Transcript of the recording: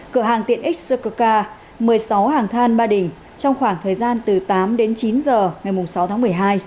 cửa hàng tiện x xkk một mươi sáu hàng than ba đình trong khoảng thời gian từ tám đến chín h ngày sáu tháng một mươi hai